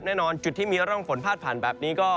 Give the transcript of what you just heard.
แน่นอนจุดที่มีร่องฝนพาดผ่านแบบนี้ก็